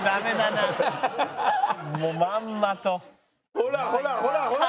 ほらほらほらほら！